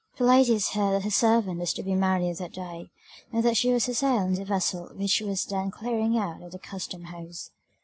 The ladies heard that her servant was to be married that day, and that she was to sail in the vessel which was then clearing out at the Custom house.